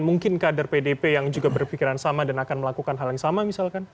mungkin kader pdp yang juga berpikiran sama dan akan melakukan hal yang sama misalkan